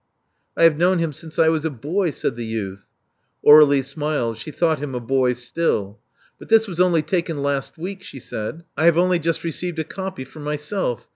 i have known him since I was a boy," said the youth. Aur^lie smiled : she thought him a boy still. But this was only taken last week," she said. I have only just received a copy for myself.